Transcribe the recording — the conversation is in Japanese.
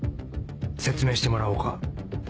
説明してもらおうか。